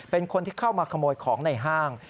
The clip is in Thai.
เป็นคนที่เข้ามาขโมยของในห้าง